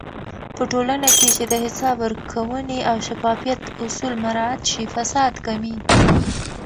په ټولنه کې چې د حساب ورکونې او شفافيت اصول مراعات شي، فساد کمېږي.